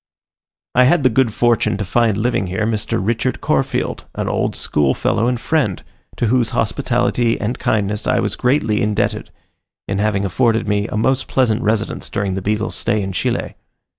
I had the good fortune to find living here Mr. Richard Corfield, an old schoolfellow and friend, to whose hospitality and kindness I was greatly indebted, in having afforded me a most pleasant residence during the Beagle's stay in Chile.